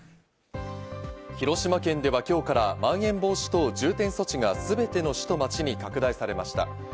広島県では今日からまん延防止等重点措置が全ての市と町に拡大されました。